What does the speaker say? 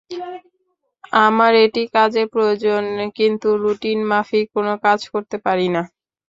আমার একটি কাজের প্রয়োজন, কিন্তু রুটিন মাফিক কোনো কাজ করতে পারি না।